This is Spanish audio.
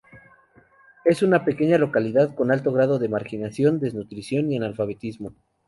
Es una pequeña localidad con alto grado de marginación, desnutrición y analfabetismo.